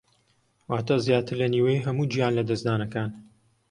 واتە زیاتر لە نیوەی هەموو گیانلەدەستدانەکان